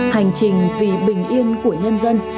hành trình vì bình yên của nhân dân